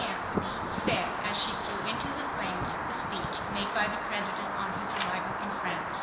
Anthony, said, as she threw into the flames the speech made by the President on his arrival in France